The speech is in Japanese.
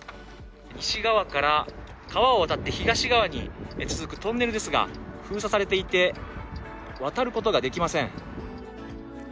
西側から川を渡って東側に続くトンネルですが封鎖されていて、渡ることができません。